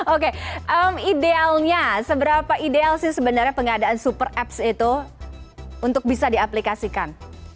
oke idealnya seberapa ideal sih sebenarnya pengadaan super apps itu untuk bisa diaplikasikan